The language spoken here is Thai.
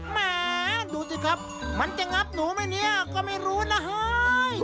แหมดูสิครับมันจะงับหนูไหมเนี่ยก็ไม่รู้นะเฮ้ย